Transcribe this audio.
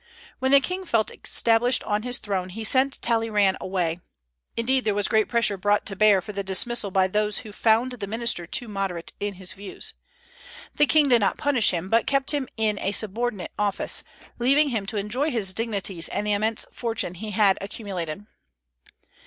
When the king felt established on his throne, he sent Talleyrand away; indeed, there was great pressure brought to bear for the dismissal by those who found the minister too moderate in his views. The king did not punish him, but kept him in a subordinate office, leaving him to enjoy his dignities and the immense fortune he had accumulated.